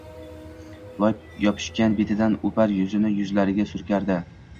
Loy yopishgan betidan o‘par yuzini yuzlariga surkardi